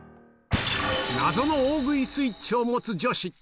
謎の大食いスイッチを持つ女子。